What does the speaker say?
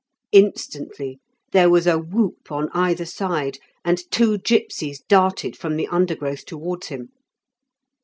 Instantly there was a whoop on either side, and two gipsies darted from the undergrowth towards him.